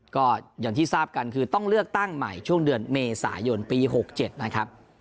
ก็อย่างที่ทราบกันคือต้องเลือกตั้งใหม่ช่วงเดือนเมษายนปี๖๗นะครับ